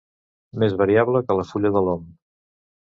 Més variable que la fulla de l'om.